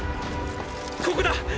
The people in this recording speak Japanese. ここだ！